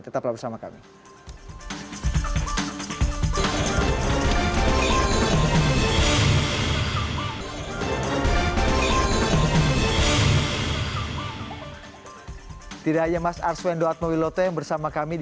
tetaplah bersama kami